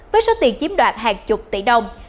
với số tiền chiếm đoạt hàng chục tỷ đồng